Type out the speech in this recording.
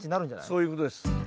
そういうことです。